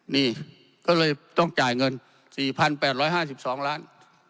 นี่ก็เลยต้องจ่ายเงิน๔๘๕๒ล้าน